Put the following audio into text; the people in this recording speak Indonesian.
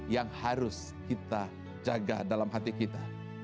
yang harus kita jaga dalam hati kita